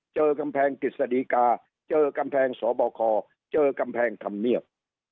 เจอกำแพงกฤษฎีกาเจอกำแพงสบคเจอกำแพงธรรมเนียบ